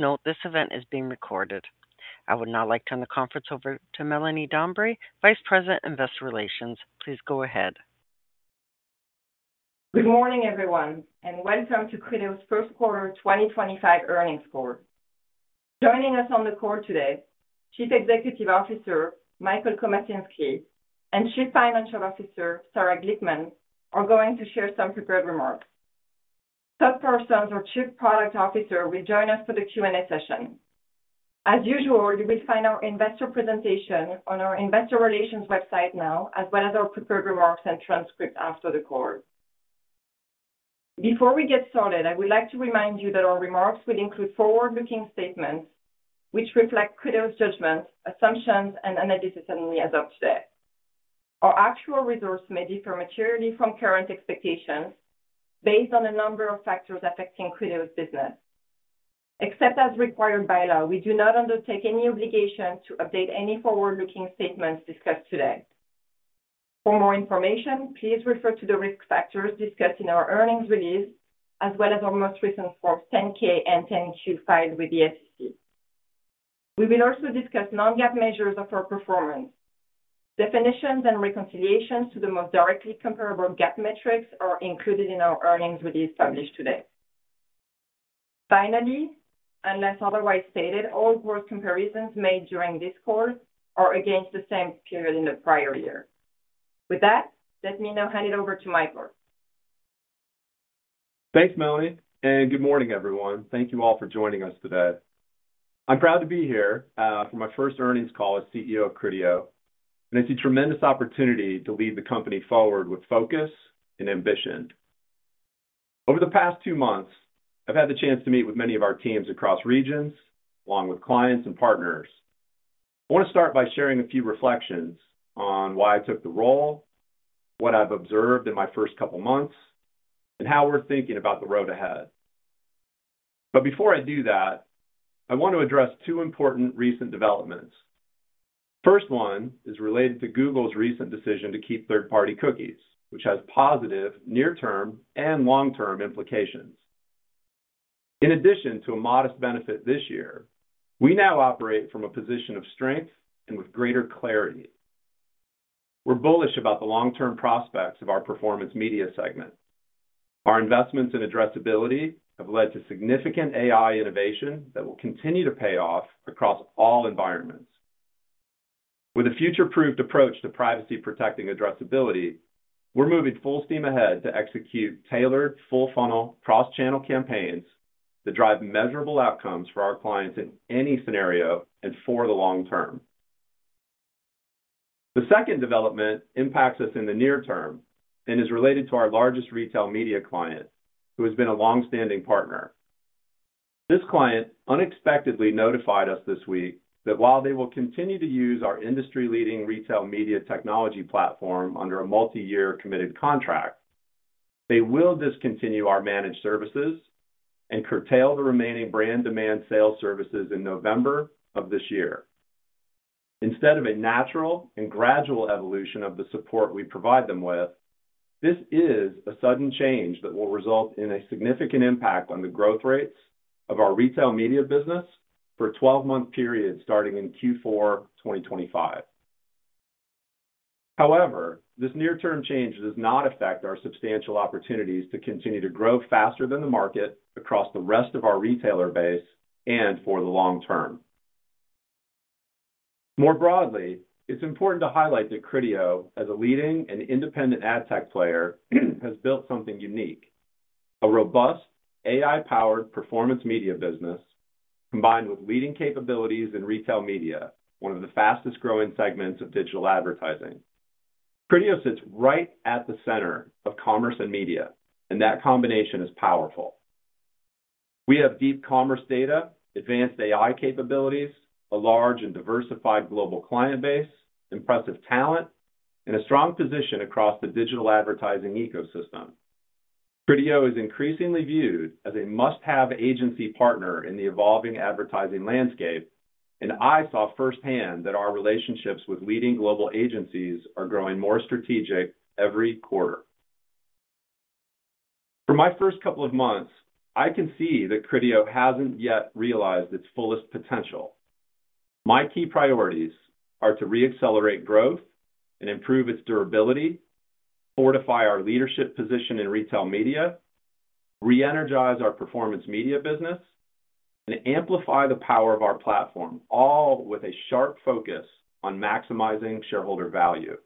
Note: This event is being recorded. I would now like to turn the conference over to Melanie Dambre, Vice President, Investor Relations. Please go ahead. Good morning, everyone, and welcome to Criteo's First Quarter 2025 earnings call. Joining us on the call today, Chief Executive Officer Michael Komasinski and Chief Financial Officer Sarah Glickman are going to share some prepared remarks. Todd Parsons, our Chief Product Officer, will join us for the Q&A session. As usual, you will find our investor presentation on our Investor Relations website now, as well as our prepared remarks and transcript after the call. Before we get started, I would like to remind you that our remarks will include forward-looking statements which reflect Criteo's judgments, assumptions, and analysis as of today. Our actual results may differ materially from current expectations based on a number of factors affecting Criteo's business. Except as required by law, we do not undertake any obligation to update any forward-looking statements discussed today. For more information, please refer to the risk factors discussed in our earnings release, as well as our most recent Forms 10-K and 10-Q filed with the SEC. We will also discuss non-GAAP measures of our performance. Definitions and reconciliations to the most directly comparable GAAP metrics are included in our earnings release published today. Finally, unless otherwise stated, all gross comparisons made during this call are against the same period in the prior year. With that, let me now hand it over to Michael. Thanks, Melanie, and good morning, everyone. Thank you all for joining us today. I'm proud to be here for my first earnings call as CEO of Criteo, and I see tremendous opportunity to lead the company forward with focus and ambition. Over the past two months, I've had the chance to meet with many of our teams across regions, along with clients and partners. I want to start by sharing a few reflections on why I took the role, what I've observed in my first couple of months, and how we're thinking about the road ahead. Before I do that, I want to address two important recent developments. The first one is related to Google's recent decision to keep third-party cookies, which has positive near-term and long-term implications. In addition to a modest benefit this year, we now operate from a position of strength and with greater clarity. We're bullish about the long-term prospects of our performance media segment. Our investments in addressability have led to significant AI innovation that will continue to pay off across all environments. With a future-proofed approach to privacy-protecting addressability, we're moving full steam ahead to execute tailored, full-funnel, cross-channel campaigns that drive measurable outcomes for our clients in any scenario and for the long term. The second development impacts us in the near term and is related to our largest retail media client, who has been a longstanding partner. This client unexpectedly notified us this week that while they will continue to use our industry-leading retail media technology platform under a multi-year committed contract, they will discontinue our managed services and curtail the remaining brand demand sales services in November of this year. Instead of a natural and gradual evolution of the support we provide them with, this is a sudden change that will result in a significant impact on the growth rates of our retail media business for a 12-month period starting in Q4 2025. However, this near-term change does not affect our substantial opportunities to continue to grow faster than the market across the rest of our retailer base and for the long term. More broadly, it's important to highlight that Criteo, as a leading and independent ad tech player, has built something unique: a robust, AI-powered performance media business combined with leading capabilities in retail media, one of the fastest-growing segments of digital advertising. Criteo sits right at the center of commerce and media, and that combination is powerful. We have deep commerce data, advanced AI capabilities, a large and diversified global client base, impressive talent, and a strong position across the digital advertising ecosystem. Criteo is increasingly viewed as a must-have agency partner in the evolving advertising landscape, and I saw firsthand that our relationships with leading global agencies are growing more strategic every quarter. For my first couple of months, I can see that Criteo hasn't yet realized its fullest potential. My key priorities are to re-accelerate growth and improve its durability, fortify our leadership position in retail media, re-energize our performance media business, and amplify the power of our platform, all with a sharp focus on maximizing shareholder value.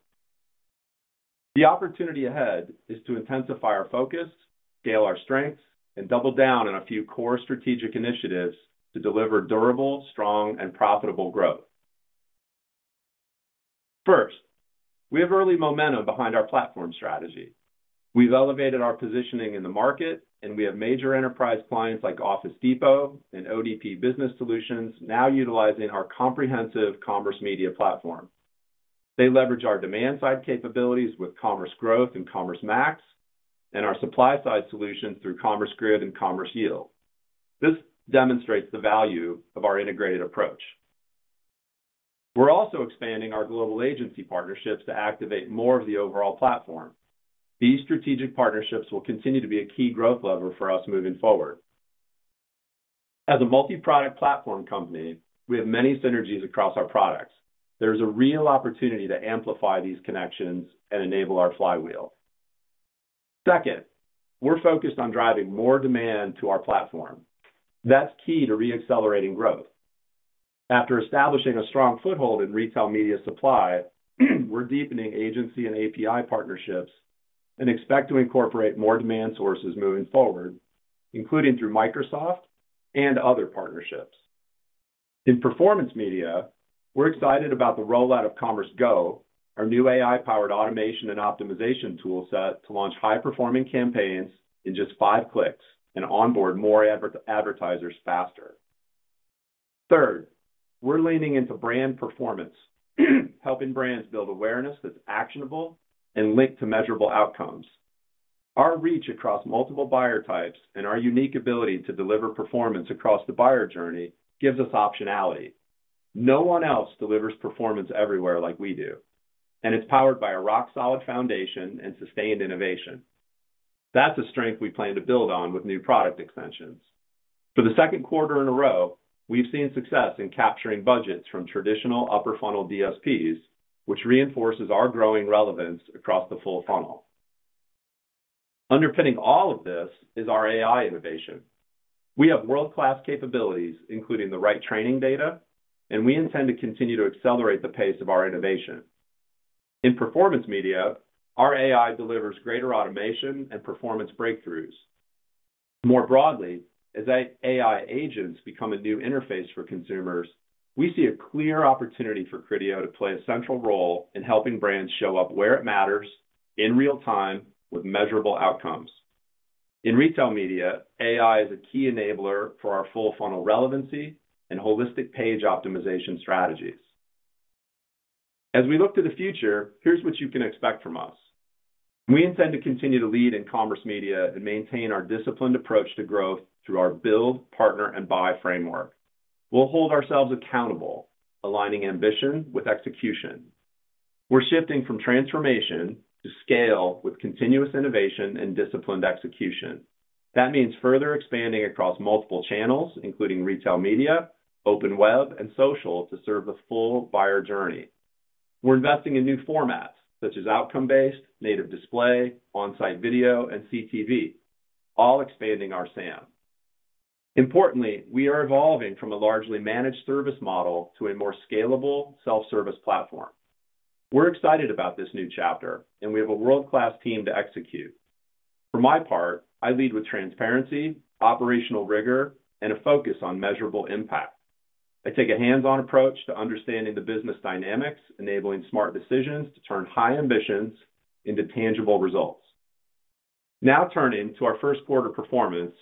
The opportunity ahead is to intensify our focus, scale our strengths, and double down on a few core strategic initiatives to deliver durable, strong, and profitable growth. First, we have early momentum behind our platform strategy. We've elevated our positioning in the market, and we have major enterprise clients like Office Depot and ODP Business Solutions now utilizing our comprehensive commerce media platform. They leverage our demand-side capabilities with Commerce Growth and Commerce Max, and our supply-side solutions through Commerce Grid and Commerce Yield. This demonstrates the value of our integrated approach. We're also expanding our global agency partnerships to activate more of the overall platform. These strategic partnerships will continue to be a key growth lever for us moving forward. As a multi-product platform company, we have many synergies across our products. There is a real opportunity to amplify these connections and enable our flywheel. Second, we're focused on driving more demand to our platform. That's key to re-accelerating growth. After establishing a strong foothold in retail media supply, we're deepening agency and API partnerships and expect to incorporate more demand sources moving forward, including through Microsoft and other partnerships. In performance media, we're excited about the rollout of Commerce Go, our new AI-powered automation and optimization toolset to launch high-performing campaigns in just five clicks and onboard more advertisers faster. Third, we're leaning into brand performance, helping brands build awareness that's actionable and linked to measurable outcomes. Our reach across multiple buyer types and our unique ability to deliver performance across the buyer journey gives us optionality. No one else delivers performance everywhere like we do, and it's powered by a rock-solid foundation and sustained innovation. That's a strength we plan to build on with new product extensions. For the second quarter in a row, we've seen success in capturing budgets from traditional upper-funnel DSPs, which reinforces our growing relevance across the full funnel. Underpinning all of this is our AI innovation. We have world-class capabilities, including the right training data, and we intend to continue to accelerate the pace of our innovation. In performance media, our AI delivers greater automation and performance breakthroughs. More broadly, as AI agents become a new interface for consumers, we see a clear opportunity for Criteo to play a central role in helping brands show up where it matters in real time with measurable outcomes. In retail media, AI is a key enabler for our full-funnel relevancy and holistic page optimization strategies. As we look to the future, here's what you can expect from us. We intend to continue to lead in commerce media and maintain our disciplined approach to growth through our build, partner, and buy framework. We'll hold ourselves accountable, aligning ambition with execution. We're shifting from transformation to scale with continuous innovation and disciplined execution. That means further expanding across multiple channels, including retail media, open web, and social, to serve the full buyer journey. We're investing in new formats such as outcome-based, native display, on-site video, and CTV, all expanding our SAM. Importantly, we are evolving from a largely managed service model to a more scalable self-service platform. We're excited about this new chapter, and we have a world-class team to execute. For my part, I lead with transparency, operational rigor, and a focus on measurable impact. I take a hands-on approach to understanding the business dynamics, enabling smart decisions to turn high ambitions into tangible results. Now turning to our first quarter performance,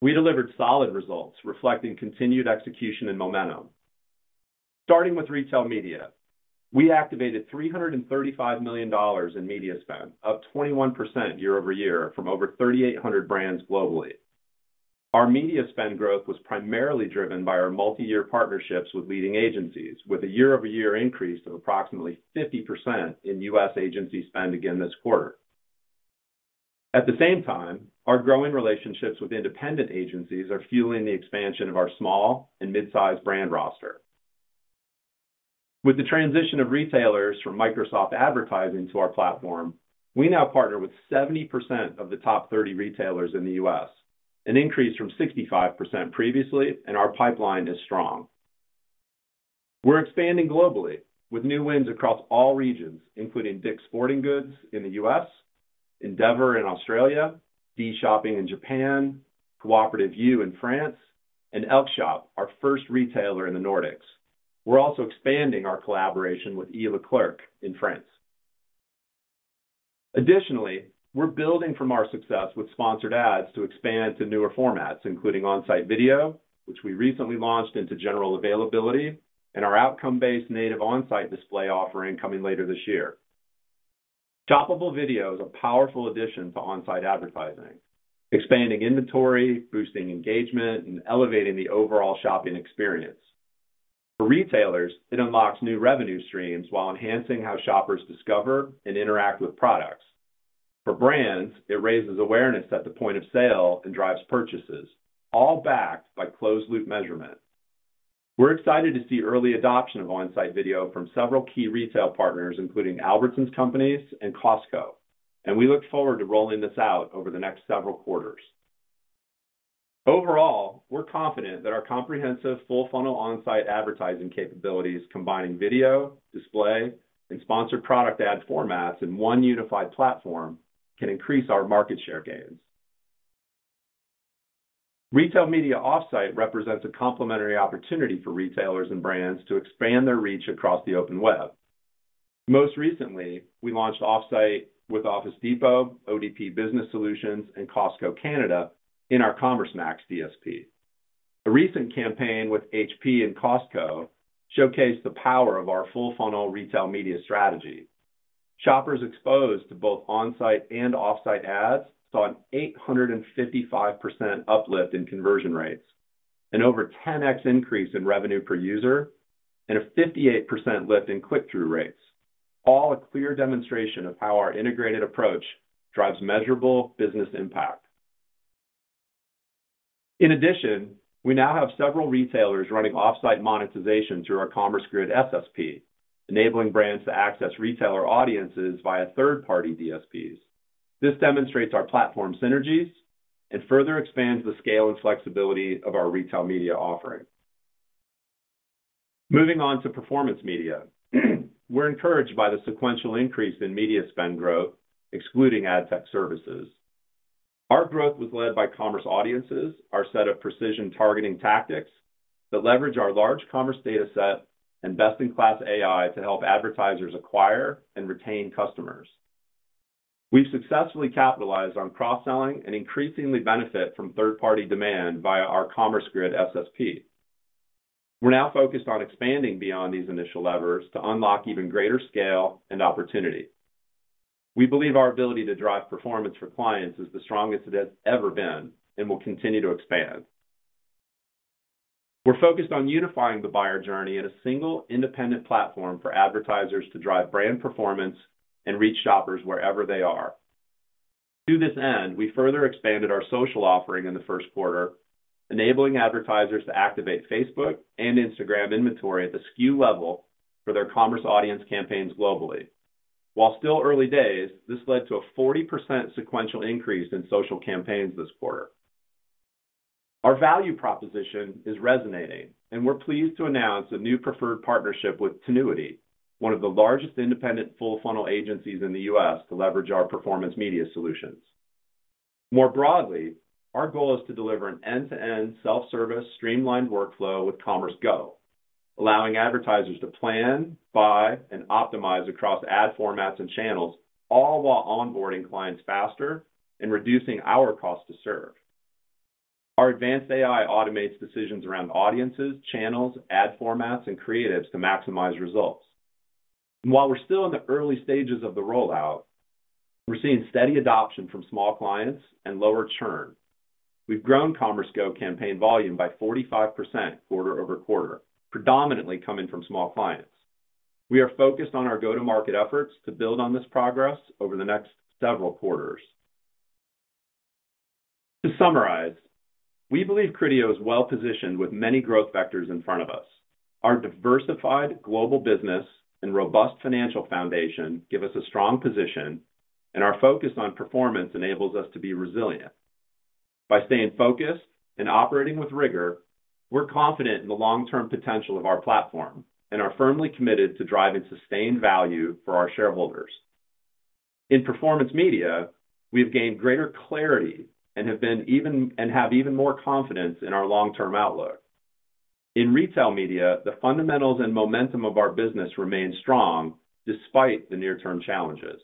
we delivered solid results reflecting continued execution and momentum. Starting with retail media, we activated $335 million in media spend, up 21% year-over-year from over 3,800 brands globally. Our media spend growth was primarily driven by our multi-year partnerships with leading agencies, with a year-over-year increase of approximately 50% in U.S. agency spend again this quarter. At the same time, our growing relationships with independent agencies are fueling the expansion of our small and mid-size brand roster. With the transition of retailers from Microsoft advertising to our platform, we now partner with 70% of the top 30 retailers in the U.S., an increase from 65% previously, and our pipeline is strong. We're expanding globally with new wins across all regions, including Dick's Sporting Goods in the U.S., Endeavor in Australia, D-Shopping in Japan, Cooperative U in France, and Elkjøp, our first retailer in the Nordics. We're also expanding our collaboration with E. LeClerc in France. Additionally, we're building from our success with sponsored ads to expand to newer formats, including on-site video, which we recently launched into general availability, and our outcome-based native on-site display offering coming later this year. Shoppable video is a powerful addition to on-site advertising, expanding inventory, boosting engagement, and elevating the overall shopping experience. For retailers, it unlocks new revenue streams while enhancing how shoppers discover and interact with products. For brands, it raises awareness at the point of sale and drives purchases, all backed by closed-loop measurement. We're excited to see early adoption of on-site video from several key retail partners, including Albertsons Companies and Costco, and we look forward to rolling this out over the next several quarters. Overall, we're confident that our comprehensive full-funnel on-site advertising capabilities, combining video, display, and sponsored product ad formats in one unified platform, can increase our market share gains. Retail media off-site represents a complementary opportunity for retailers and brands to expand their reach across the open web. Most recently, we launched off-site with Office Depot, ODP Business Solutions, and Costco Canada in our Commerce Max DSP. A recent campaign with HP and Costco showcased the power of our full-funnel retail media strategy. Shoppers exposed to both on-site and off-site ads saw an 855% uplift in conversion rates, an over 10x increase in revenue per user, and a 58% lift in click-through rates, all a clear demonstration of how our integrated approach drives measurable business impact. In addition, we now have several retailers running off-site monetization through our Commerce Grid SSP, enabling brands to access retailer audiences via third-party DSPs. This demonstrates our platform synergies and further expands the scale and flexibility of our retail media offering. Moving on to performance media, we're encouraged by the sequential increase in media spend growth, excluding ad tech services. Our growth was led by commerce audiences, our set of precision targeting tactics that leverage our large commerce data set and best-in-class AI to help advertisers acquire and retain customers. We've successfully capitalized on cross-selling and increasingly benefit from third-party demand via our Commerce Grid SSP. We're now focused on expanding beyond these initial levers to unlock even greater scale and opportunity. We believe our ability to drive performance for clients is the strongest it has ever been and will continue to expand. We're focused on unifying the buyer journey in a single independent platform for advertisers to drive brand performance and reach shoppers wherever they are. To this end, we further expanded our social offering in the first quarter, enabling advertisers to activate Facebook and Instagram inventory at the SKU level for their commerce audience campaigns globally. While still early days, this led to a 40% sequential increase in social campaigns this quarter. Our value proposition is resonating, and we're pleased to announce a new preferred partnership with Tinuiti, one of the largest independent full-funnel agencies in the U.S. to leverage our performance media solutions. More broadly, our goal is to deliver an end-to-end self-service streamlined workflow with Commerce Go, allowing advertisers to plan, buy, and optimize across ad formats and channels, all while onboarding clients faster and reducing our cost to serve. Our advanced AI automates decisions around audiences, channels, ad formats, and creatives to maximize results. While we're still in the early stages of the rollout, we're seeing steady adoption from small clients and lower churn. We've grown Commerce Go campaign volume by 45% quarter over quarter, predominantly coming from small clients. We are focused on our go-to-market efforts to build on this progress over the next several quarters. To summarize, we believe Criteo is well-positioned with many growth vectors in front of us. Our diversified global business and robust financial foundation give us a strong position, and our focus on performance enables us to be resilient. By staying focused and operating with rigor, we're confident in the long-term potential of our platform and are firmly committed to driving sustained value for our shareholders. In performance media, we have gained greater clarity and have even more confidence in our long-term outlook. In retail media, the fundamentals and momentum of our business remain strong despite the near-term challenges.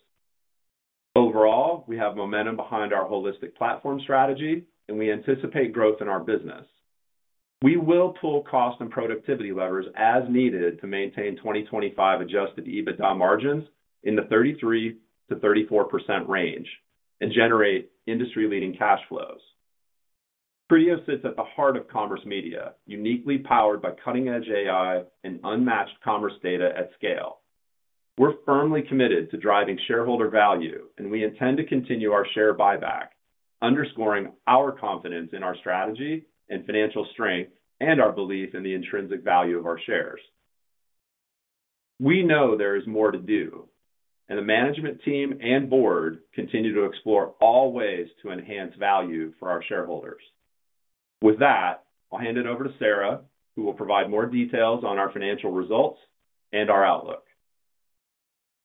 Overall, we have momentum behind our holistic platform strategy, and we anticipate growth in our business. We will pull cost and productivity levers as needed to maintain 2025 adjusted EBITDA margins in the 33%-34% range and generate industry-leading cash flows. Criteo sits at the heart of commerce media, uniquely powered by cutting-edge AI and unmatched commerce data at scale. We're firmly committed to driving shareholder value, and we intend to continue our share buyback, underscoring our confidence in our strategy and financial strength and our belief in the intrinsic value of our shares. We know there is more to do, and the management team and board continue to explore all ways to enhance value for our shareholders. With that, I'll hand it over to Sarah, who will provide more details on our financial results and our outlook.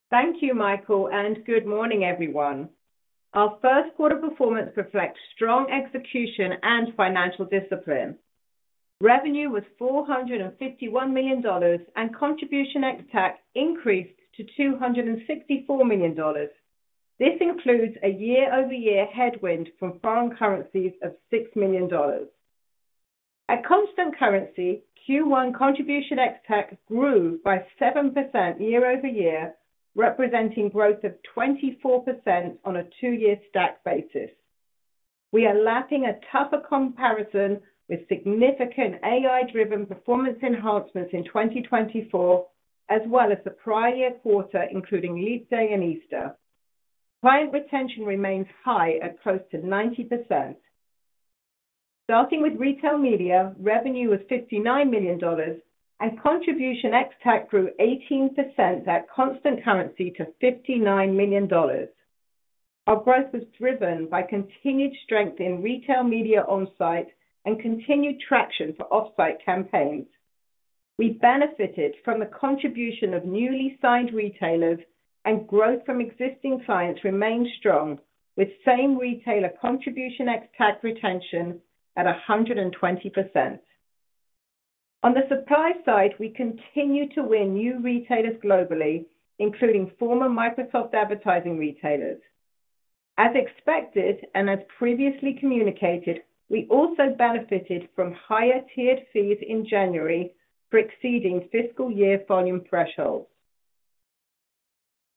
Thank you, Michael, and good morning, everyone. Our first quarter performance reflects strong execution and financial discipline. Revenue was $451 million, and contribution ex- tac increased to $264 million. This includes a year-over-year headwind from foreign currencies of $6 million. At constant currency, Q1 contribution ex -tac grew by 7% year-over-year, representing growth of 24% on a two-year stack basis. We are lacking a tougher comparison with significant AI-driven performance enhancements in 2024, as well as the prior year quarter, including leap day and Easter. Client retention remains high at close to 90%. Starting with retail media, revenue was $59 million, and contribution ex- tac grew 18% at constant currency to $59 million. Our growth was driven by continued strength in retail media on-site and continued traction for off-site campaigns. We benefited from the contribution of newly signed retailers, and growth from existing clients remained strong, with same retailer contribution ex- tac retention at 120%. On the supply side, we continue to win new retailers globally, including former Microsoft advertising retailers. As expected and as previously communicated, we also benefited from higher tiered fees in January for exceeding fiscal year volume thresholds.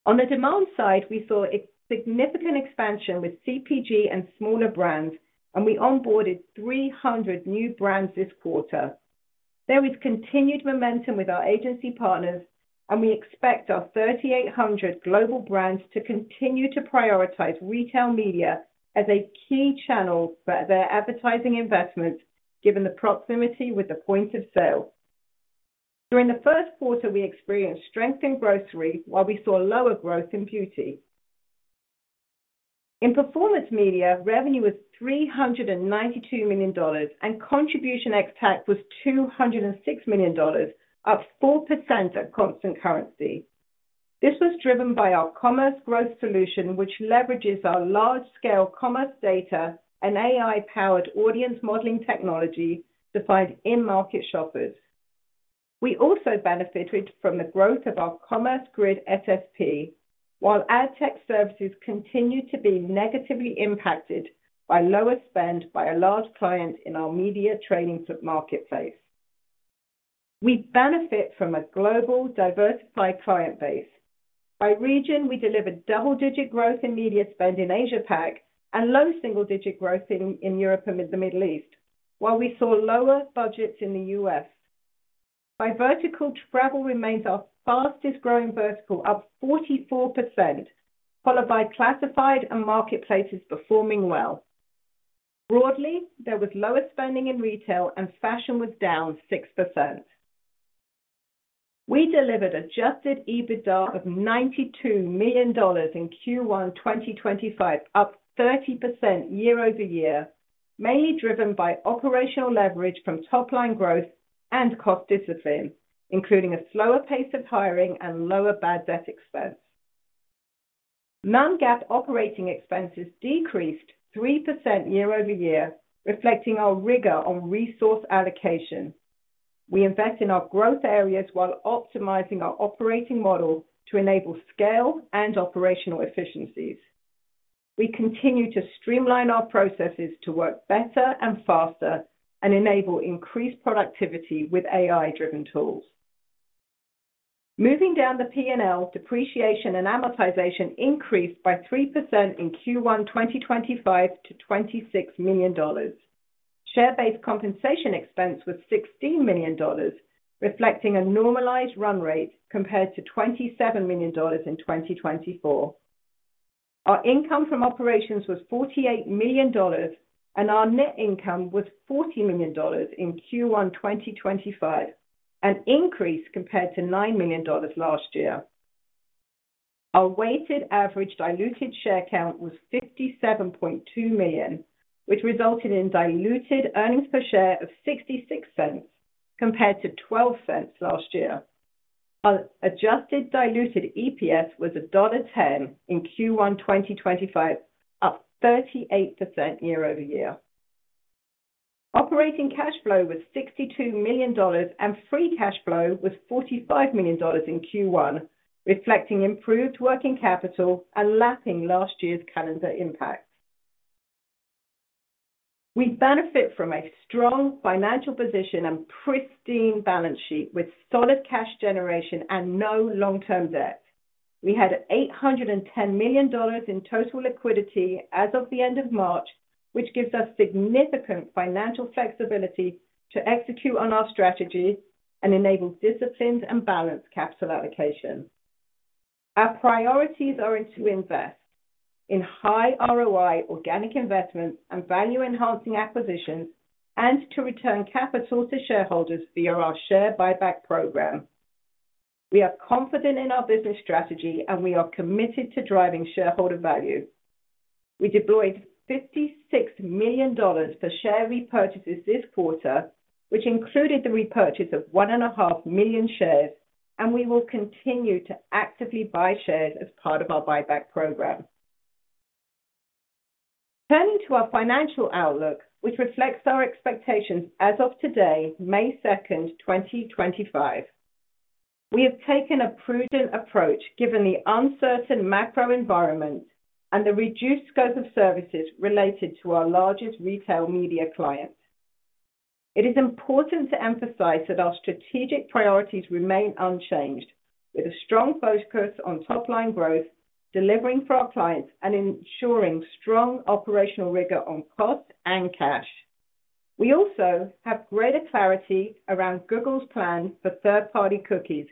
On the demand side, we saw a significant expansion with CPG and smaller brands, and we onboarded 300 new brands this quarter. There is continued momentum with our agency partners, and we expect our 3,800 global brands to continue to prioritize retail media as a key channel for their advertising investments, given the proximity with the point of sale. During the first quarter, we experienced strength in grocery, while we saw lower growth in beauty. In performance media, revenue was $392 million, and contribution ex -tac was $206 million, up 4% at constant currency. This was driven by our Commerce Growth solution, which leverages our large-scale commerce data and AI-powered audience modeling technology to find in-market shoppers. We also benefited from the growth of our Commerce Grid SSP, while ad tech services continue to be negatively impacted by lower spend by a large client in our media trading marketplace. We benefit from a global, diversified client base. By region, we delivered double-digit growth in media spend in Asia-Pac and low single-digit growth in Europe and the Middle East, while we saw lower budgets in the U.S. By vertical, travel remains our fastest-growing vertical, up 44%, followed by classified and marketplaces performing well. Broadly, there was lower spending in retail, and fashion was down 6%. We delivered adjusted EBITDA of $92 million in Q1 2025, up 30% year-over-year, mainly driven by operational leverage from top-line growth and cost discipline, including a slower pace of hiring and lower bad debt expense. Non-GAAP operating expenses decreased 3% year-over-year, reflecting our rigor on resource allocation. We invest in our growth areas while optimizing our operating model to enable scale and operational efficiencies. We continue to streamline our processes to work better and faster and enable increased productivity with AI-driven tools. Moving down the P&L, depreciation and amortization increased by 3% in Q1 2025 to $26 million. Share-based compensation expense was $16 million, reflecting a normalized run rate compared to $27 million in 2024. Our income from operations was $48 million, and our net income was $40 million in Q1 2025, an increase compared to $9 million last year. Our weighted average diluted share count was 57.2 million, which resulted in diluted earnings per share of $0.66 compared to $0.12 last year. Our adjusted diluted EPS was $1.10 in Q1 2025, up 38% year-over-year. Operating cash flow was $62 million, and free cash flow was $45 million in Q1, reflecting improved working capital and lapping last year's calendar impact. We benefit from a strong financial position and pristine balance sheet with solid cash generation and no long-term debt. We had $810 million in total liquidity as of the end of March, which gives us significant financial flexibility to execute on our strategy and enable disciplined and balanced capital allocation. Our priorities are to invest in high ROI organic investments and value-enhancing acquisitions and to return capital to shareholders via our share buyback program. We are confident in our business strategy, and we are committed to driving shareholder value. We deployed $56 million for share repurchases this quarter, which included the repurchase of one and a half million shares, and we will continue to actively buy shares as part of our buyback program. Turning to our financial outlook, which reflects our expectations as of today, May 2, 2025. We have taken a prudent approach given the uncertain macro environment and the reduced scope of services related to our largest retail media clients. It is important to emphasize that our strategic priorities remain unchanged, with a strong focus on top-line growth, delivering for our clients, and ensuring strong operational rigor on costs and cash. We also have greater clarity around Google's plan for third-party cookies,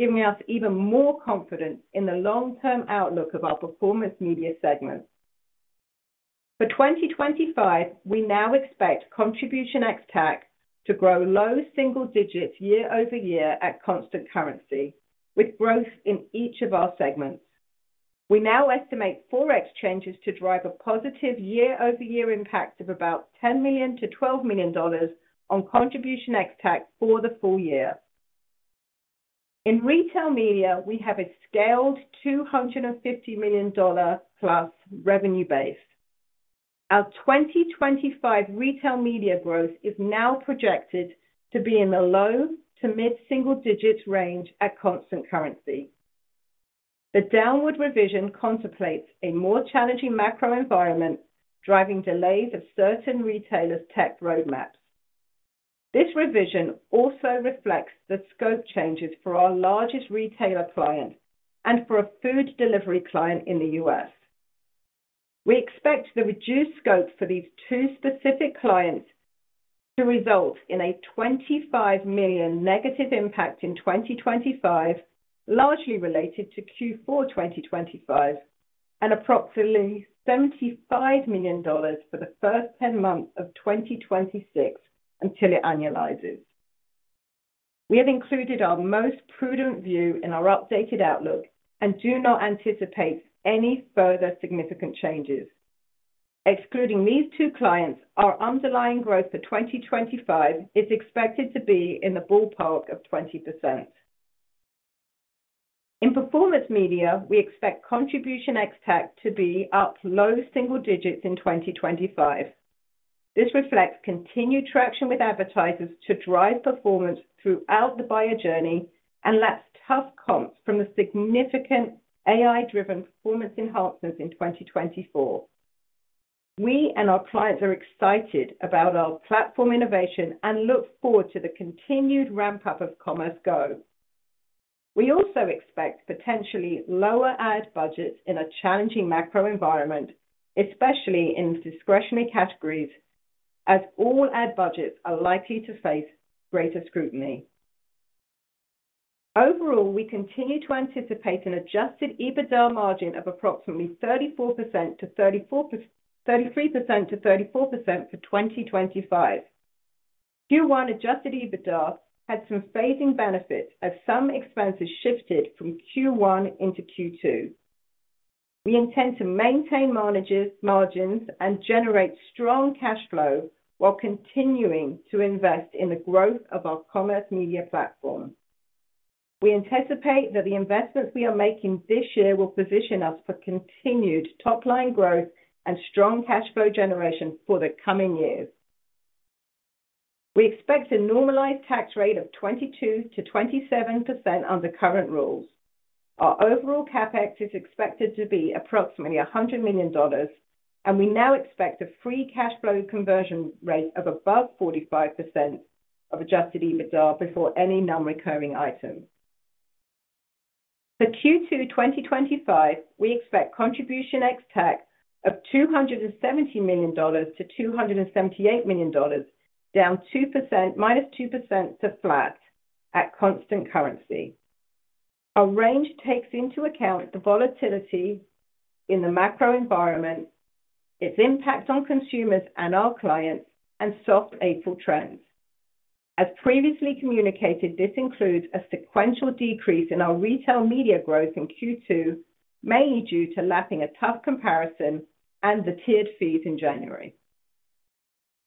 giving us even more confidence in the long-term outlook of our performance media segment. For 2025, we now expect contribution ex- tac to grow low single digits year-over-year at constant currency, with growth in each of our segments. We now estimate forex changes to drive a positive year-over-year impact of about $10 million-$12 million on contribution ex -tac for the full year. In retail media, we have a scaled $250 million plus revenue base. Our 2025 retail media growth is now projected to be in the low to mid-single digits range at constant currency. The downward revision contemplates a more challenging macro environment, driving delays of certain retailers' tech roadmaps. This revision also reflects the scope changes for our largest retailer client and for a food delivery client in the U.S. We expect the reduced scope for these two specific clients to result in a $25 million negative impact in 2025, largely related to Q4 2025, and approximately $75 million for the first 10 months of 2026 until it annualizes. We have included our most prudent view in our updated outlook and do not anticipate any further significant changes. Excluding these two clients, our underlying growth for 2025 is expected to be in the ballpark of 20%. In performance media, we expect contribution ex -tac to be up low single digits in 2025. This reflects continued traction with advertisers to drive performance throughout the buyer journey and laps tough comps from the significant AI-driven performance enhancements in 2024. We and our clients are excited about our platform innovation and look forward to the continued ramp-up of Commerce Go. We also expect potentially lower ad budgets in a challenging macro environment, especially in discretionary categories, as all ad budgets are likely to face greater scrutiny. Overall, we continue to anticipate an adjusted EBITDA margin of approximately 33%-34% for 2025. Q1 adjusted EBITDA had some phasing benefits as some expenses shifted from Q1 into Q2. We intend to maintain margins and generate strong cash flow while continuing to invest in the growth of our commerce media platform. We anticipate that the investments we are making this year will position us for continued top-line growth and strong cash flow generation for the coming years. We expect a normalized tax rate of 22%-27% under current rules. Our overall CapEx is expected to be approximately $100 million, and we now expect a free cash flow conversion rate of above 45% of adjusted EBITDA before any non-recurring item. For Q2 2025, we expect contribution ex- tac of $270 million-$278 million, down 2%, -2% to flat at constant currency. Our range takes into account the volatility in the macro environment, its impact on consumers and our clients, and soft April trends. As previously communicated, this includes a sequential decrease in our retail media growth in Q2, mainly due to lapping a tough comparison and the tiered fees in January.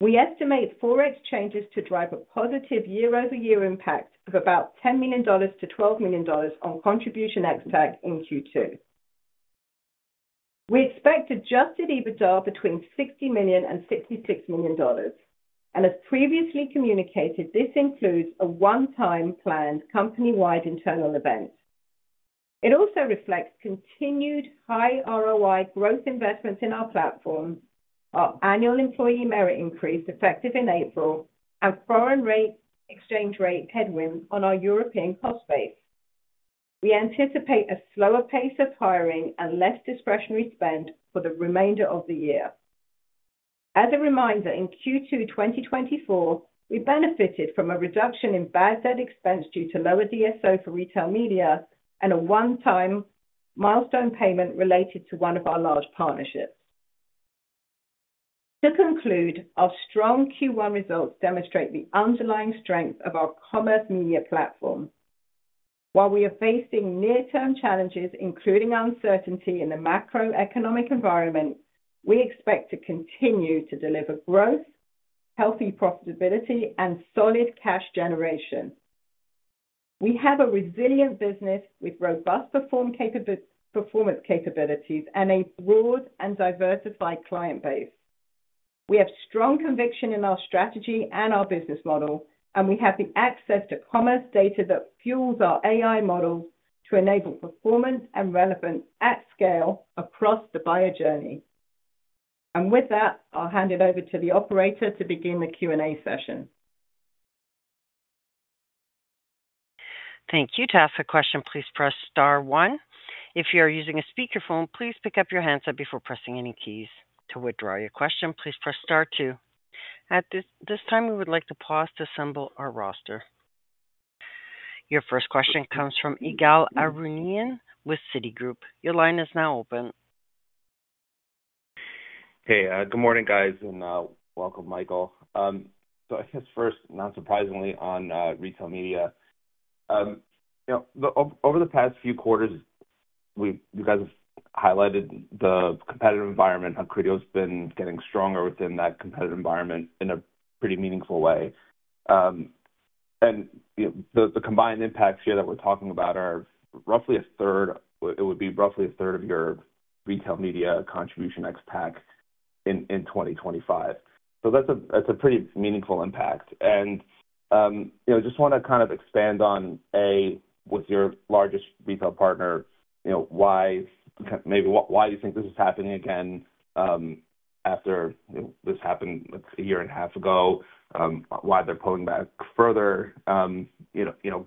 We estimate forex changes to drive a positive year-over-year impact of about $10 million-$12 million on contribution ex- tax in Q2. We expect adjusted EBITDA between $60 million-$66 million, and as previously communicated, this includes a one-time planned company-wide internal event. It also reflects continued high ROI growth investments in our platform, our annual employee merit increase effective in April, and foreign exchange rate headwinds on our European cost base. We anticipate a slower pace of hiring and less discretionary spend for the remainder of the year. As a reminder, in Q2 2024, we benefited from a reduction in bad debt expense due to lower DSO for retail media and a one-time milestone payment related to one of our large partnerships. To conclude, our strong Q1 results demonstrate the underlying strength of our commerce media platform. While we are facing near-term challenges, including uncertainty in the macroeconomic environment, we expect to continue to deliver growth, healthy profitability, and solid cash generation. We have a resilient business with robust performance capabilities and a broad and diversified client base. We have strong conviction in our strategy and our business model, and we have the access to commerce data that fuels our AI models to enable performance and relevance at scale across the buyer journey. With that, I'll hand it over to the operator to begin the Q&A session. Thank you. To ask a question, please press star one. If you are using a speakerphone, please pick up your handset before pressing any keys. To withdraw your question, please press star two. At this time, we would like to pause to assemble our roster. Your first question comes from Ygal Arourian with Citigroup. Your line is now open. Hey, good morning, guys, and welcome, Michael. I guess first, not surprisingly, on retail media, over the past few quarters, you guys have highlighted the competitive environment, how Criteo has been getting stronger within that competitive environment in a pretty meaningful way. The combined impacts here that we're talking about are roughly a third; it would be roughly a third of your retail media contribution ex -tax in 2025. That is a pretty meaningful impact. I just want to kind of expand on, A, with your largest retail partner, why do you think this is happening again after this happened a year and a half ago? Why they're pulling back further given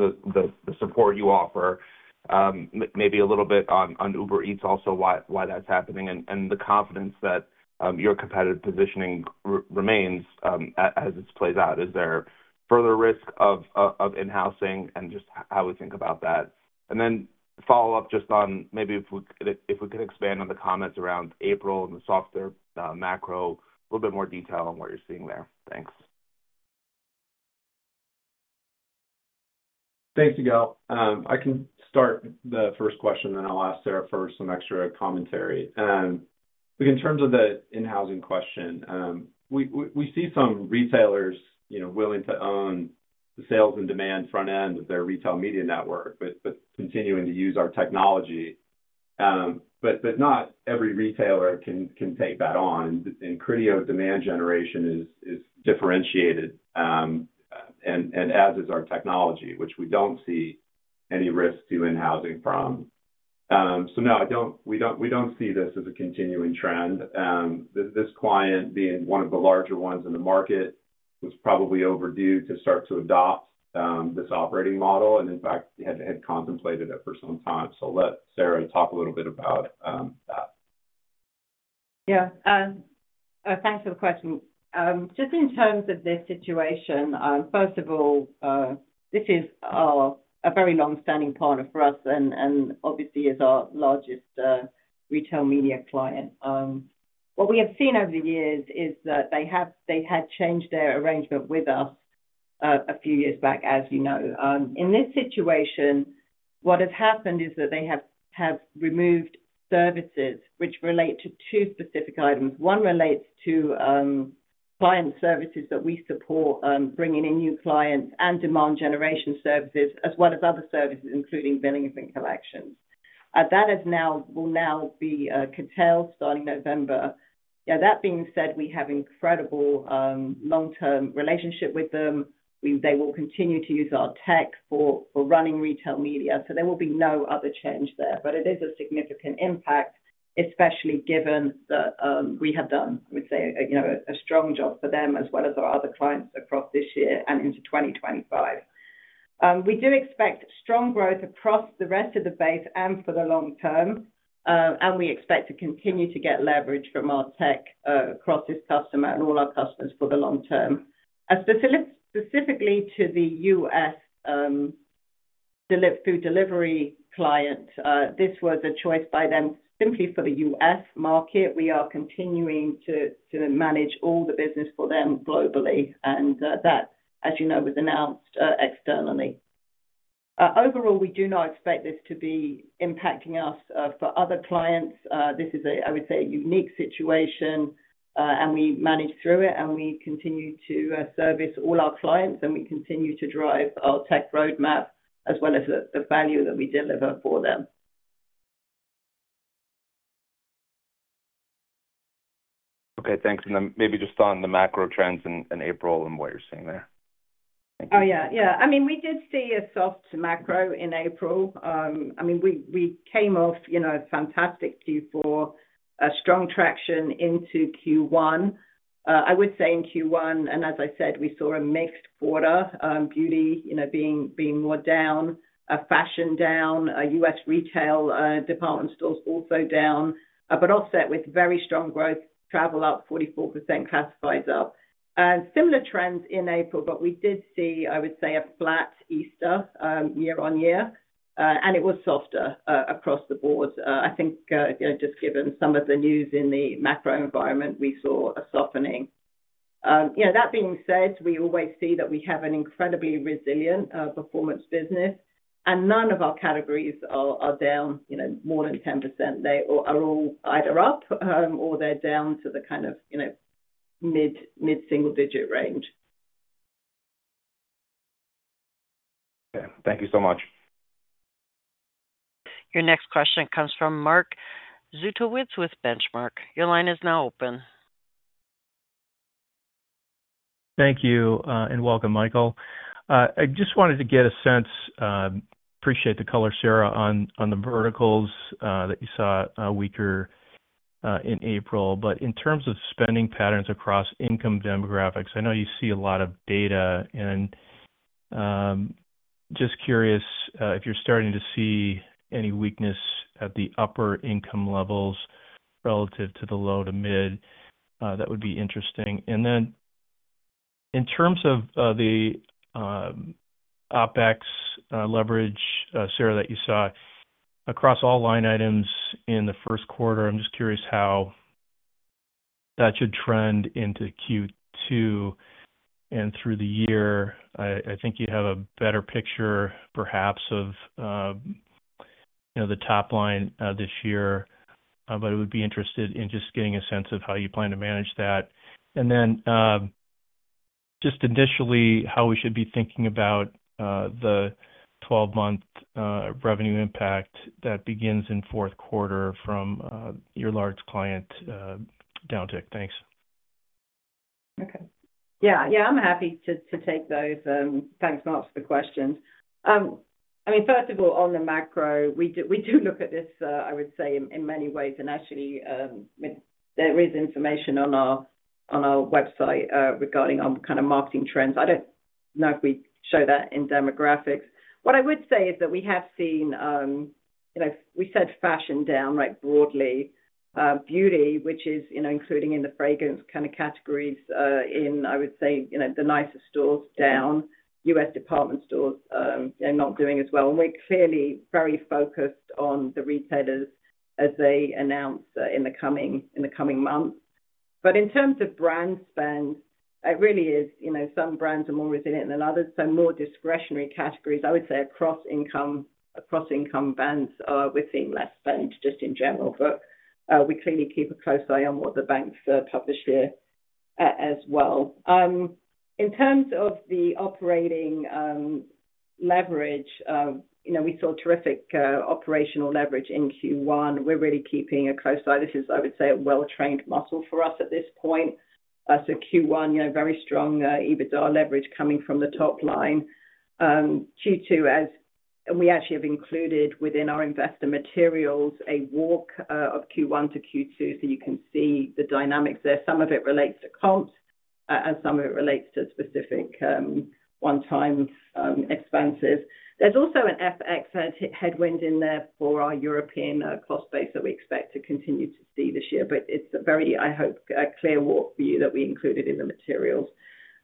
the support you offer? Maybe a little bit on Uber Eats also, why that's happening and the confidence that your competitive positioning remains as this plays out. Is there further risk of in-housing and just how we think about that? Then follow up just on maybe if we could expand on the comments around April and the softer macro, a little bit more detail on what you're seeing there. Thanks. Thanks, Ygal. I can start the first question, then I'll ask Sarah for some extra commentary. In terms of the in-housing question, we see some retailers willing to own the sales and demand front end of their retail media network, but continuing to use our technology. Not every retailer can take that on. Criteo demand generation is differentiated, and as is our technology, which we don't see any risk to in-housing from. No, we don't see this as a continuing trend. This client, being one of the larger ones in the market, was probably overdue to start to adopt this operating model and, in fact, had contemplated it for some time. Let Sarah talk a little bit about that. Yeah. Thanks for the question. Just in terms of this situation, first of all, this is a very long-standing partner for us and obviously is our largest retail media client. What we have seen over the years is that they had changed their arrangement with us a few years back, as you know. In this situation, what has happened is that they have removed services which relate to two specific items. One relates to client services that we support, bringing in new clients and demand generation services, as well as other services, including billing and collections. That will now be curtailed starting November. That being said, we have an incredible long-term relationship with them. They will continue to use our tech for running retail media, so there will be no other change there. It is a significant impact, especially given that we have done, I would say, a strong job for them as well as our other clients across this year and into 2025. We do expect strong growth across the rest of the base and for the long term, and we expect to continue to get leverage from our tech across this customer and all our customers for the long term. Specifically to the U.S. food delivery client, this was a choice by them simply for the U.S. market. We are continuing to manage all the business for them globally, and that, as you know, was announced externally. Overall, we do not expect this to be impacting us for other clients. This is, I would say, a unique situation, and we manage through it, and we continue to service all our clients, and we continue to drive our tech roadmap as well as the value that we deliver for them. Okay. Thanks. Maybe just on the macro trends in April and what you're seeing there. Thank you. Oh, yeah. Yeah. I mean, we did see a soft macro in April. I mean, we came off a fantastic Q4, a strong traction into Q1. I would say in Q1, and as I said, we saw a mixed quarter, beauty being more down, fashion down, U.S. retail department stores also down, but offset with very strong growth, travel up 44%, classifieds up. Similar trends in April, but we did see, I would say, a flat Easter year on year, and it was softer across the board. I think just given some of the news in the macro environment, we saw a softening. That being said, we always see that we have an incredibly resilient performance business, and none of our categories are down more than 10%. They are all either up or they're down to the kind of mid-single digit range. Okay. Thank you so much. Your next question comes from Mark Zgutowicz with Benchmark. Your line is now open. Thank you and welcome, Michael. I just wanted to get a sense, appreciate the color, Sarah, on the verticals that you saw weaker in April. In terms of spending patterns across income demographics, I know you see a lot of data, and just curious if you're starting to see any weakness at the upper income levels relative to the low to mid, that would be interesting. In terms of the OpEx leverage, Sarah, that you saw across all line items in the first quarter, I'm just curious how that should trend into Q2 and through the year. I think you have a better picture, perhaps, of the top line this year, but I would be interested in just getting a sense of how you plan to manage that. Initially, how should we be thinking about the 12-month revenue impact that begins in fourth quarter from your large client, Dowdick? Thanks. Okay. Yeah. Yeah. I'm happy to take those. Thanks, Mark, for the questions. First of all, on the macro, we do look at this, I would say, in many ways. Actually, there is information on our website regarding kind of marketing trends. I don't know if we show that in demographics. What I would say is that we have seen, we said fashion down, right, broadly. Beauty, which is including in the fragrance kind of categories in, I would say, the nicer stores down, U.S. department stores not doing as well. We are clearly very focused on the retailers as they announce in the coming months. In terms of brand spend, it really is some brands are more resilient than others. More discretionary categories, I would say, across income bands, we are seeing less spend just in general. We clearly keep a close eye on what the banks publish here as well. In terms of the operating leverage, we saw terrific operational leverage in Q1. We are really keeping a close eye. This is, I would say, a well-trained muscle for us at this point. Q1, very strong EBITDA leverage coming from the top line. Q2, as we actually have included within our investor materials, a walk of Q1 to Q2, so you can see the dynamics there. Some of it relates to comps, and some of it relates to specific one-time expenses. There is also an FX headwind in there for our European cost base that we expect to continue to see this year. It is a very, I hope, clear walk for you that we included in the materials.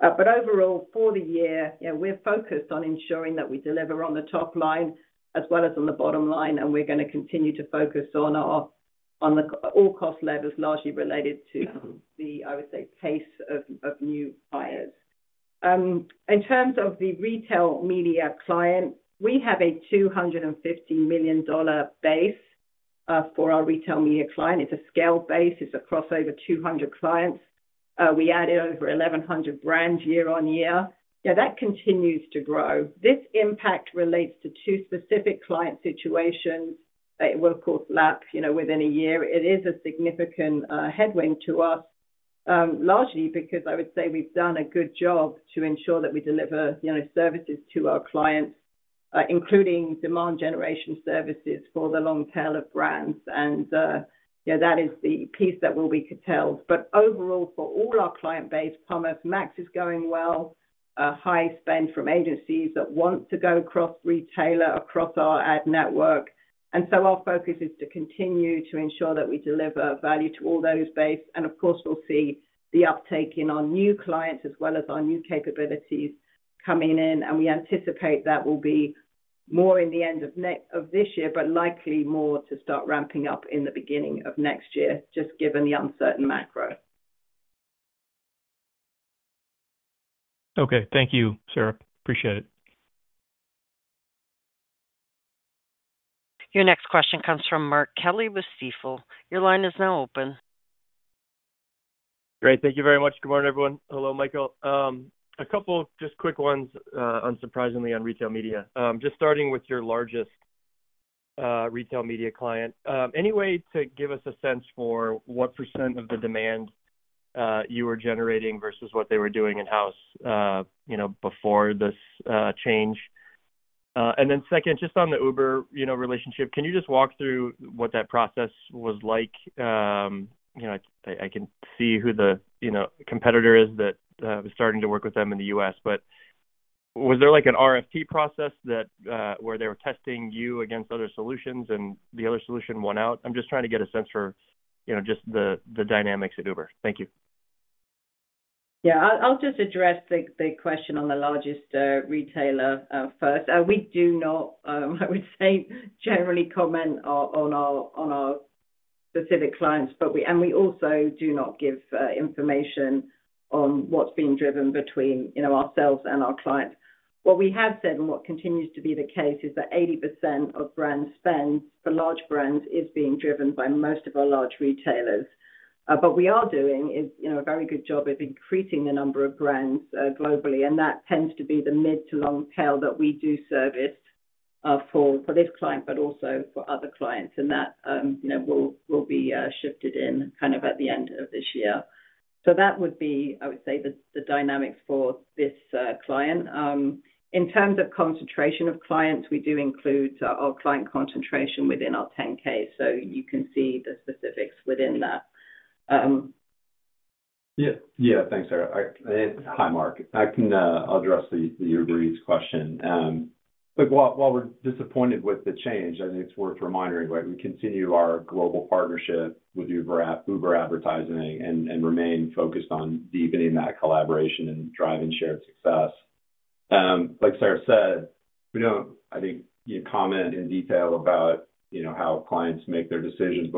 Overall, for the year, we are focused on ensuring that we deliver on the top line as well as on the bottom line, and we are going to continue to focus on all cost levers largely related to the, I would say, pace of new buyers. In terms of the retail media client, we have a $250 million base for our retail media client. It is a scale base. It is across over 200 clients. We added over 1,100 brands year on year. That continues to grow. This impact relates to two specific client situations. It will, of course, lap within a year. It is a significant headwind to us, largely because I would say we've done a good job to ensure that we deliver services to our clients, including demand generation services for the long tail of brands. That is the piece that will be curtailed. Overall, for all our client base, Commerce Max is going well, high spend from agencies that want to go across retailer, across our ad network. Our focus is to continue to ensure that we deliver value to all those bases. Of course, we'll see the uptake in our new clients as well as our new capabilities coming in. We anticipate that will be more in the end of this year, but likely more to start ramping up in the beginning of next year, just given the uncertain macro. Okay. Thank you, Sarah. Appreciate it. Your next question comes from Mark Kelly with Stifel. Your line is now open. Great. Thank you very much. Good morning, everyone. Hello, Michael. A couple of just quick ones, unsurprisingly, on retail media. Just starting with your largest retail media client, any way to give us a sense for what % of the demand you were generating versus what they were doing in-house before this change? And then second, just on the Uber relationship, can you just walk through what that process was like? I can see who the competitor is that was starting to work with them in the U.S. Was there an RFP process where they were testing you against other solutions and the other solution won out? I'm just trying to get a sense for just the dynamics at Uber. Thank you. Yeah. I'll just address the question on the largest retailer first. We do not, I would say, generally comment on our specific clients, and we also do not give information on what's being driven between ourselves and our clients. What we have said and what continues to be the case is that 80% of brand spend for large brands is being driven by most of our large retailers. What we are doing is a very good job of increasing the number of brands globally. That tends to be the mid to long tail that we do service for this client, but also for other clients. That will be shifted in kind of at the end of this year. That would be, I would say, the dynamics for this client. In terms of concentration of clients, we do include our client concentration within our 10-K. You can see the specifics within that. Yeah. Yeah. Thanks, Sarah. Hi, Mark. I can address the Uber Eats question. While we're disappointed with the change, I think it's worth reminding, right, we continue our global partnership with Uber advertising and remain focused on deepening that collaboration and driving shared success. Like Sarah said, we don't, I think, comment in detail about how clients make their decisions.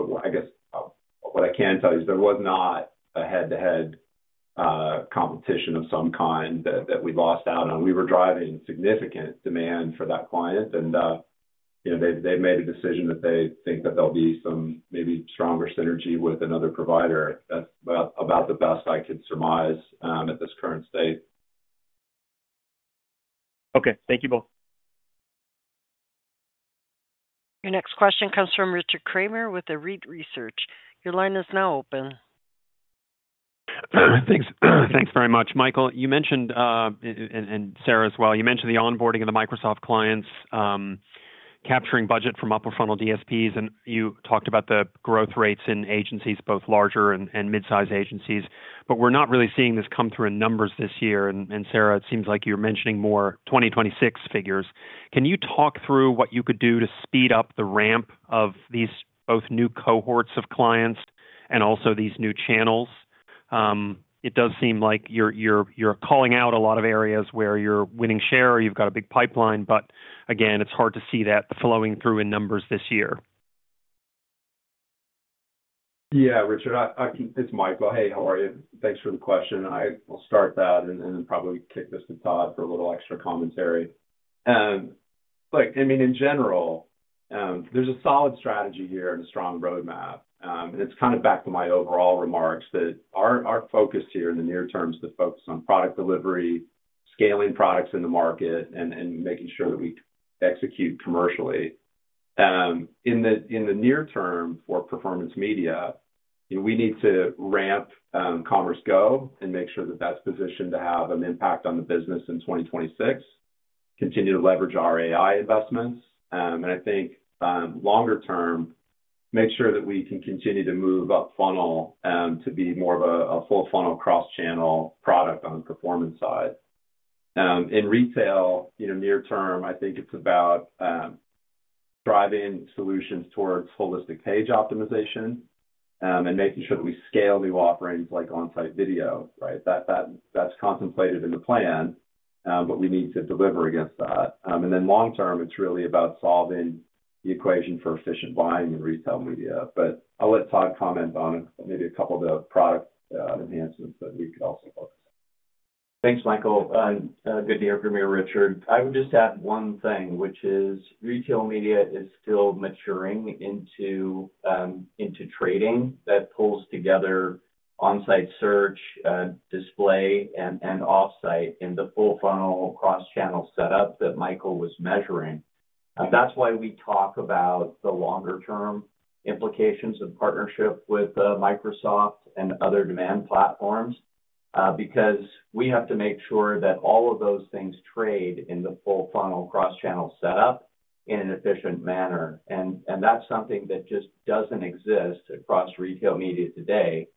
What I can tell you is there was not a head-to-head competition of some kind that we lost out on. We were driving significant demand for that client, and they've made a decision that they think that there'll be some maybe stronger synergy with another provider. That's about the best I could surmise at this current state. Okay. Thank you both. Your next question comes from Richard Vitols, Your line is now open. Thanks very much, Michael. And Sarah as well, you mentioned the onboarding of the Microsoft clients, capturing budget from upper funnel DSPs, and you talked about the growth rates in agencies, both larger and mid-size agencies. We're not really seeing this come through in numbers this year. Sarah, it seems like you're mentioning more 2026 figures. Can you talk through what you could do to speed up the ramp of these both new cohorts of clients and also these new channels? It does seem like you're calling out a lot of areas where you're winning share, or you've got a big pipeline. Again, it's hard to see that flowing through in numbers this year. Yeah, Richard, it's Michael. Hey, how are you? Thanks for the question. I'll start that and then probably kick this to Todd for a little extra commentary. I mean, in general, there's a solid strategy here and a strong roadmap. It's kind of back to my overall remarks that our focus here in the near term is to focus on product delivery, scaling products in the market, and making sure that we execute commercially. In the near term for performance media, we need to ramp Commerce Go and make sure that that's positioned to have an impact on the business in 2026, continue to leverage our AI investments. I think longer term, make sure that we can continue to move up funnel to be more of a full funnel cross-channel product on the performance side. In retail, near term, I think it's about driving solutions towards holistic page optimization and making sure that we scale new offerings like on-site video, right? That's contemplated in the plan, but we need to deliver against that. Long term, it's really about solving the equation for efficient buying in retail media. I'll let Todd comment on maybe a couple of the product enhancements that we could also focus on. Thanks, Michael. Good to hear from you, Richard. I would just add one thing, which is retail media is still maturing into trading that pulls together on-site search, display, and off-site in the full funnel cross-channel setup that Michael was measuring. That's why we talk about the longer-term implications of partnership with Microsoft and other demand platforms because we have to make sure that all of those things trade in the full funnel cross-channel setup in an efficient manner. That is something that just does not exist across retail media today.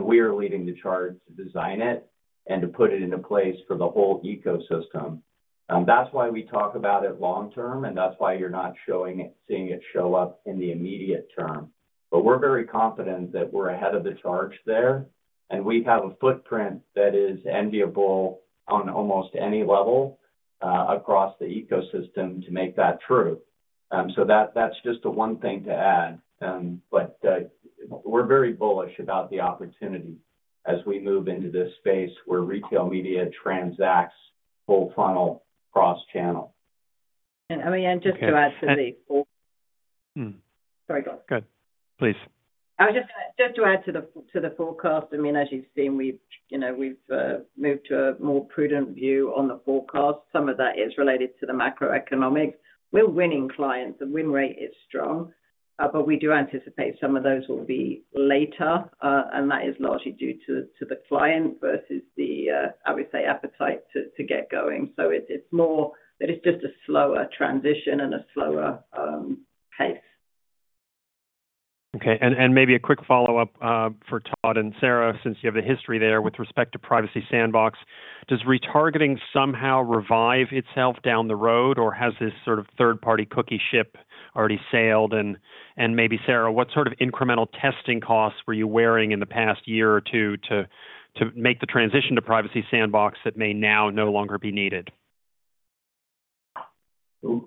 We are leading the charge to design it and to put it into place for the whole ecosystem. That is why we talk about it long term, and that is why you are not seeing it show up in the immediate term. We are very confident that we are ahead of the charge there, and we have a footprint that is enviable on almost any level across the ecosystem to make that true. That is just the one thing to add. We are very bullish about the opportunity as we move into this space where retail media transacts full funnel cross-channel. Just to add to the forecast, I mean, as you've seen, we've moved to a more prudent view on the forecast. Some of that is related to the macroeconomics. We're winning clients. The win rate is strong, but we do anticipate some of those will be later. That is largely due to the client versus the, I would say, appetite to get going. It's more that it's just a slower transition and a slower pace. Okay. Maybe a quick follow-up for Todd and Sarah, since you have the history there with respect to Privacy Sandbox. Does retargeting somehow revive itself down the road, or has this sort of third-party cookie ship already sailed? Maybe, Sarah, what sort of incremental testing costs were you wearing in the past year or two to make the transition to Privacy Sandbox that may now no longer be needed?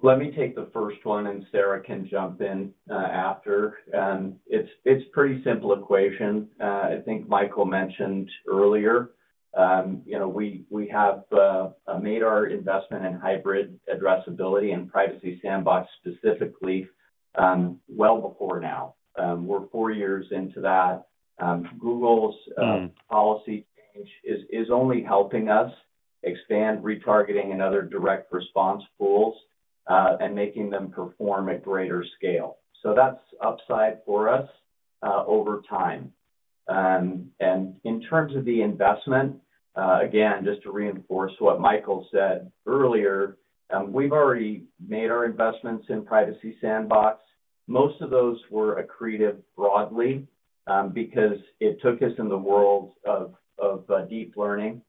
Let me take the first one, and Sarah can jump in after. It is a pretty simple equation. I think Michael mentioned earlier, we have made our investment in hybrid addressability and Privacy Sandbox specifically well before now. We are four years into that. Google's policy change is only helping us expand retargeting and other direct response tools and making them perform at greater scale. That is upside for us over time. In terms of the investment, again, just to reinforce what Michael said earlier, we have already made our investments in Privacy Sandbox. Most of those were accretive broadly because it took us in the world of deep learning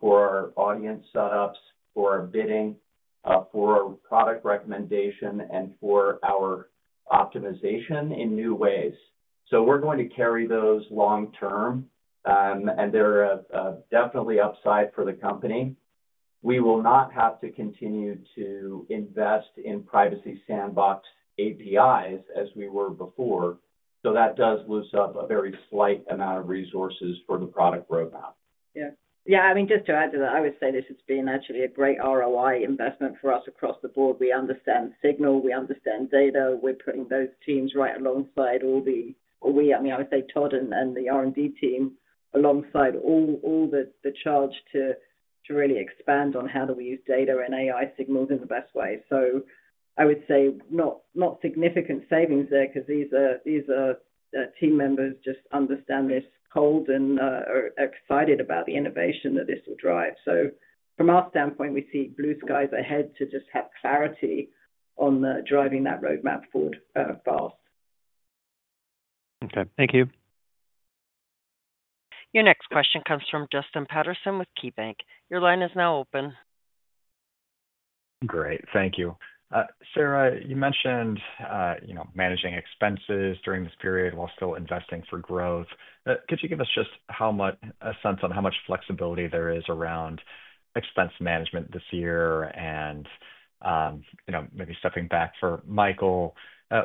for our audience setups, for our bidding, for our product recommendation, and for our optimization in new ways. We're going to carry those long term, and they're definitely upside for the company. We will not have to continue to invest in Privacy Sandbox APIs as we were before. That does loosen up a very slight amount of resources for the product roadmap. Yeah. Yeah. I mean, just to add to that, I would say this has been actually a great ROI investment for us across the board. We understand signal. We understand data. We're putting those teams right alongside all the—I mean, I would say Todd and the R&D team alongside all the charge to really expand on how do we use data and AI signals in the best way. I would say not significant savings there because these are team members just understand this, hold, and are excited about the innovation that this will drive. From our standpoint, we see blue skies ahead to just have clarity on driving that roadmap forward fast. Okay. Thank you. Your next question comes from Justin Patterson with KeyBanc. Your line is now open. Great. Thank you. Sarah, you mentioned managing expenses during this period while still investing for growth. Could you give us just a sense on how much flexibility there is around expense management this year and maybe stepping back for Michael?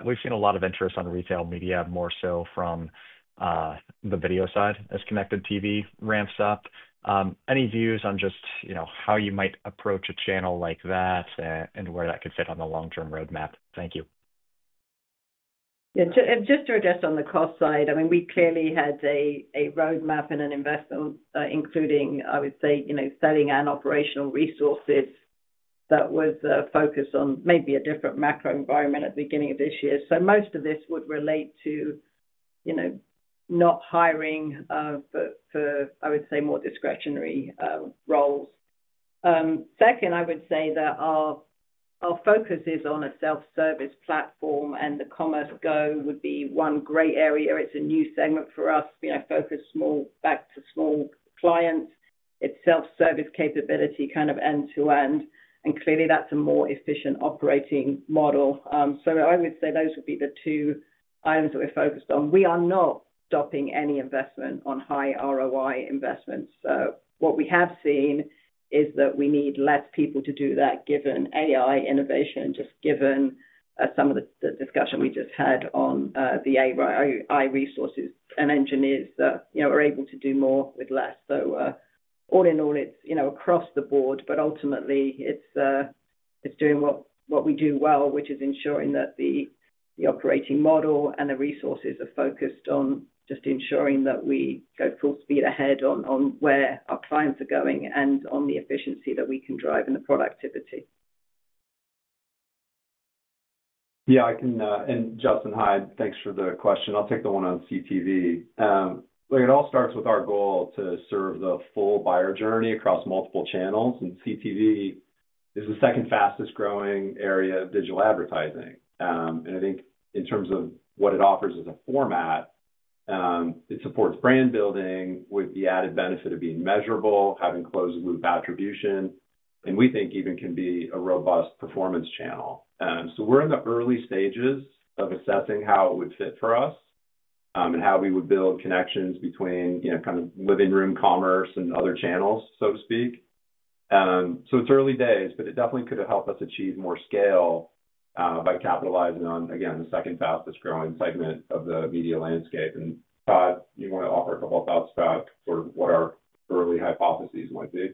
We've seen a lot of interest on retail media, more so from the video side as connected TV ramps up. Any views on just how you might approach a channel like that and where that could fit on the long-term roadmap? Thank you. Yeah. Just to address on the cost side, I mean, we clearly had a roadmap and an investment, including, I would say, selling and operational resources that was focused on maybe a different macro environment at the beginning of this year. Most of this would relate to not hiring for, I would say, more discretionary roles. Second, I would say that our focus is on a self-service platform, and the Commerce Go would be one great area. It's a new segment for us. We focus back to small clients. It's self-service capability kind of end-to-end. Clearly, that's a more efficient operating model. I would say those would be the two items that we're focused on. We are not stopping any investment on high ROI investments. What we have seen is that we need less people to do that given AI innovation, just given some of the discussion we just had on the AI resources andengineers that are able to do more with less. All in all, it's across the board, but ultimately, it's doing what we do well, which is ensuring that the operating model and the resources are focused on just ensuring that we go full speed ahead on where our clients are going and on the efficiency that we can drive and the productivity. Yeah. Justin, hi. Thanks for the question. I'll take the one on CTV. It all starts with our goal to serve the full buyer journey across multiple channels. CTV is the second fastest-growing area of digital advertising. I think in terms of what it offers as a format, it supports brand building with the added benefit of being measurable, having closed-loop attribution, and we think even can be a robust performance channel. We are in the early stages of assessing how it would fit for us and how we would build connections between kind of living room commerce and other channels, so to speak. It is early days, but it definitely could have helped us achieve more scale by capitalizing on, again, the second fastest-growing segment of the media landscape. Todd, you want to offer a couple of thoughts about sort of what our early hypotheses might be?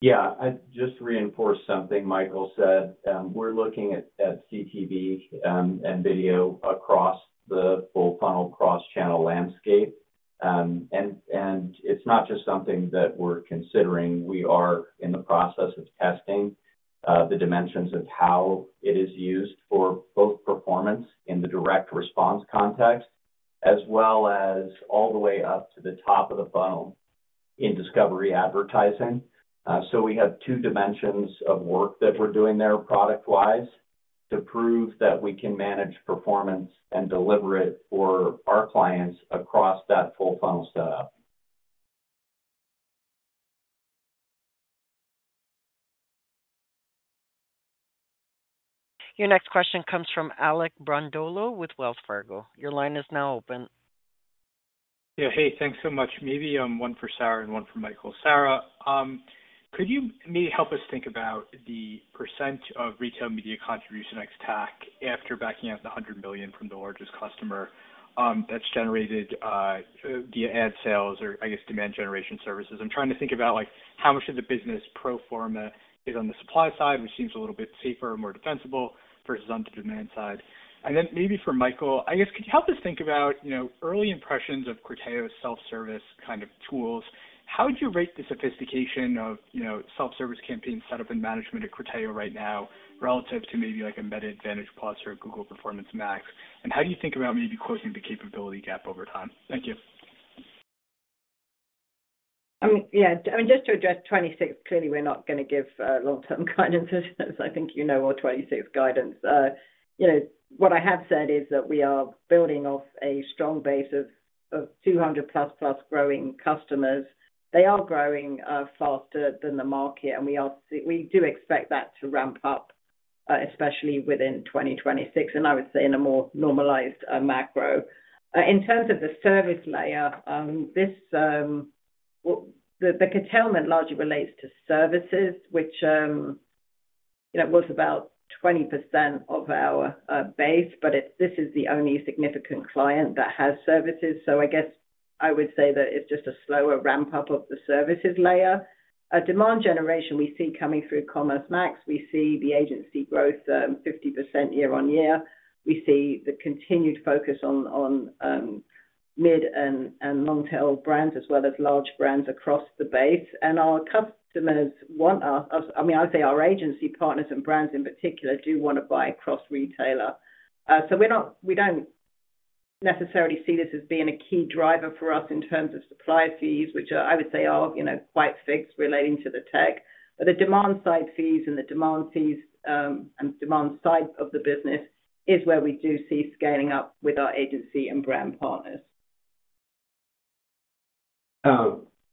Yeah. I would just reinforce something Michael said. We are looking at CTV and video across the full funnel cross-channel landscape. It is not just something that we are considering. We are in the process of testing the dimensions of how it is used for both performance in the direct response context as well as all the way up to the top of the funnel in discovery advertising. We have two dimensions of work that we're doing there product-wise to prove that we can manage performance and deliver it for our clients across that full funnel setup. Your next question comes from Alec Brondolo with Wells Fargo. Your line is now open. Yeah. Hey, thanks so much. Maybe one for Sarah and one for Michael. Sarah, could you maybe help us think about the percent of retail media contributionex-TAC after backing up the $100 million from the largest customer that's generated via ad sales or, I guess, demand generation services? I'm trying to think about how much of the business pro forma is on the supply side, which seems a little bit safer, more defensible versus on the demand side. Maybe for Michael, I guess, could you help us think about early impressions of Criteo's self-service kind of tools? How would you rate the sophistication of self-service campaign setup and management at Criteo right now relative to maybe like Embedded Advantage Plus or Google Performance Max? How do you think about maybe closing the capability gap over time? Thank you. Yeah. I mean, just to address 2026, clearly, we're not going to give long-term guidance. I think you know our 2026 guidance. What I have said is that we are building off a strong base of 200-plus and growing customers. They are growing faster than the market, and we do expect that to ramp up, especially within 2026, and I would say in a more normalized macro. In terms of the service layer, the curtailment largely relates to services, which was about 20% of our base, but this is the only significant client that has services. I would say that it is just a slower ramp-up of the services layer. Demand generation we see coming through Commerce Max. We see the agency growth 50% year-on-year. We see the continued focus on mid and long-tail brands as well as large brands across the base. Our customers want—I mean, I would say our agency partners and brands in particular do want to buy across retailer. We do not necessarily see this as being a key driver for us in terms of supplier fees, which I would say are quite fixed relating to the tech. The demand-side fees and the demand-side of the business is where we do see scaling up with our agency and brand partners.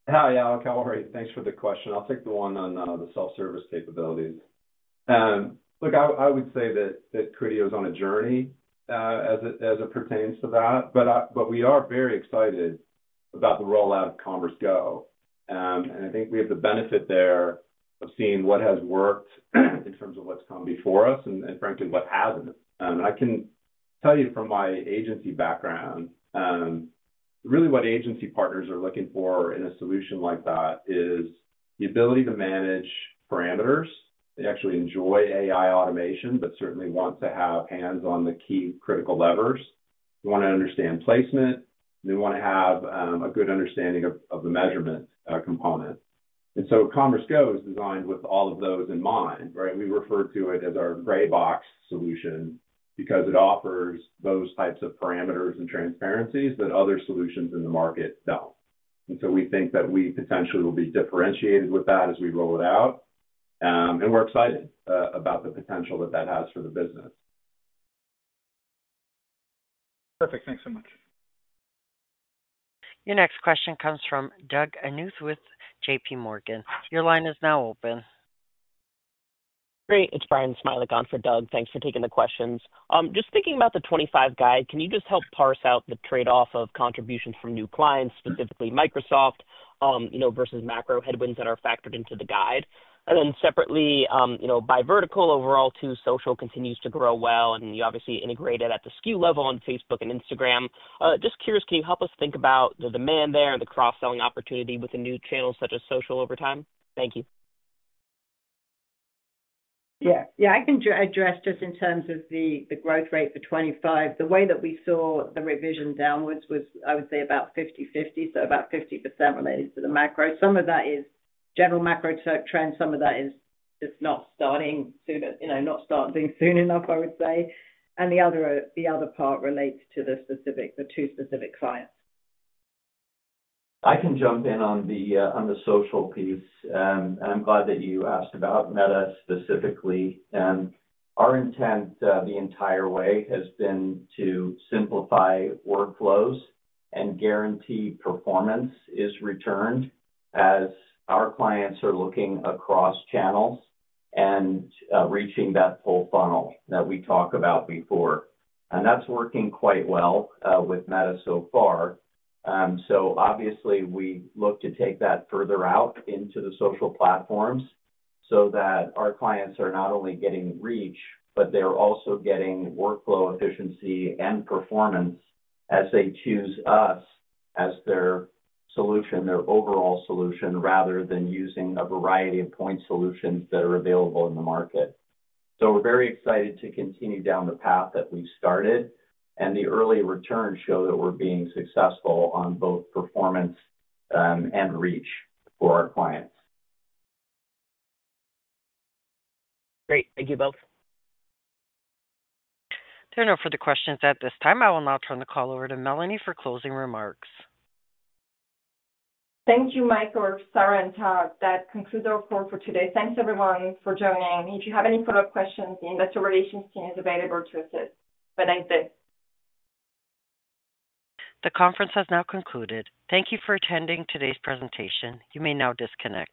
Hi, Alec. How are you? Thanks for the question. I'll take the one on the self-service capabilities. Look, I would say that Criteo is on a journey as it pertains to that. We are very excited about the rollout of Commerce Go. I think we have the benefit there of seeing what has worked in terms of what's come before us and, frankly, what has not. I can tell you from my agency background, really what agency partners are looking for in a solution like that is the ability to manage parameters. They actually enjoy AI automation, but certainly want to have hands on the key critical levers. They want to understand placement. They want to have a good understanding of the measurement component. Commerce Go is designed with all of those in mind, right? We refer to it as our gray box solution because it offers those types of parameters and transparencies that other solutions in the market do not. We think that we potentially will be differentiated with that as we roll it out. We are excited about the potential that that has for the business. Perfect. Thanks so much. Your next question comes from Doug Animuth with JPMorgan. Your line is now open. Great. It is Brian Smiley Garn for Doug. Thanks for taking the questions. Just thinking about the 2025 guide, can you just help parse out the trade-off of contributions from new clients, specifically Microsoft, versus macro headwinds that are factored into the guide? Then separately, by vertical overall, too, social continues to grow well, and you obviously integrated at the SKU level on Facebook and Instagram. Just curious, can you help us think about the demand there and the cross-selling opportunity with a new channel such as social over time? Thank you. Yeah. Yeah. I can address just in terms of the growth rate for 2025. The way that we saw the revision downwards was, I would say, about 50/50, so about 50% related to the macro. Some of that is general macro trends. Some of that is just not starting sooner, not starting soon enough, I would say. The other part relates to the two specific clients. I can jump in on the social piece. I am glad that you asked about Meta specifically. Our intent the entire way has been to simplify workflows and guarantee performance is returned as our clients are looking across channels and reaching that full funnel that we talked about before. That is working quite well with Meta so far. Obviously, we look to take that further out into the social platforms so that our clients are not only getting reach, but they are also getting workflow efficiency and performance as they choose us as their solution, their overall solution, rather than using a variety of point solutions that are available in the market. We are very excited to continue down the path that we have started. The early returns show that we are being successful on both performance and reach for our clients. Great. Thank you both. There are no further questions at this time. I will now turn the call over to Melanie for closing remarks. Thank you, Michael and Sarah and Todd. That concludes our call for today. Thanks, everyone, for joining. If you have any follow-up questions, the investor relations team is available to assist. Good night, then. The conference has now concluded. Thank you for attending today's presentation. You may now disconnect.